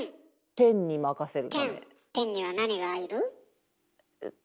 天には何がいる？